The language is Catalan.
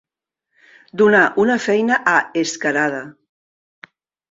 Donar una feina a escarada.